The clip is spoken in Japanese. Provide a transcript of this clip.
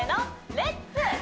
「レッツ！